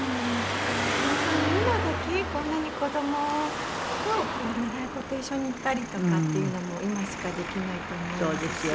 だから本当に今だけこんなに子どもと習い事一緒に行ったりとかっていうのも今しかできないと思いますし。